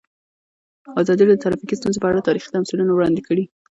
ازادي راډیو د ټرافیکي ستونزې په اړه تاریخي تمثیلونه وړاندې کړي.